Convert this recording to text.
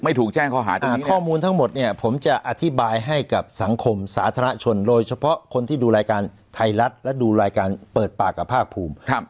ถูกแจ้งข้อหาด้วยข้อมูลทั้งหมดเนี่ยผมจะอธิบายให้กับสังคมสาธารณชนโดยเฉพาะคนที่ดูรายการไทยรัฐและดูรายการเปิดปากกับภาคภูมิ